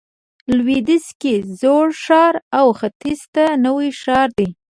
لویدیځ کې زوړ ښار او ختیځ ته نوی ښار دی.